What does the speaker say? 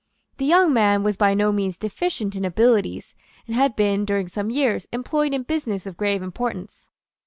The young man was by no means deficient in abilities, and had been, during some years, employed in business of grave importance.